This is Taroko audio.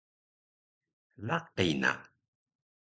Laqi na